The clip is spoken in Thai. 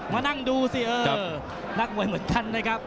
มานั่งดูสิเออนักมวยเหมือนกันนะครับ